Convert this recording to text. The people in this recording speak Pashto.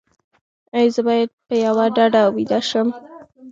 ایا زه باید په یوه ډډه ویده شم؟